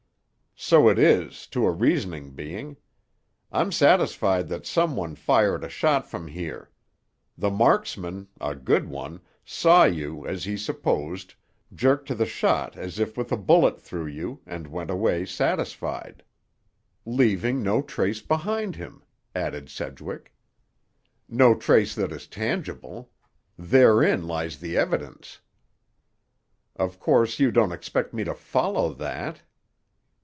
"So it is, to a reasoning being. I'm satisfied that some one fired a shot from here. The marksman—a good one—saw you, as he supposed, jerk to the shot as if with a bullet through you, and went away satisfied." "Leaving no trace behind him," added Sedgwick. "No trace that is tangible. Therein lies the evidence." "Of course you don't expect me to follow that."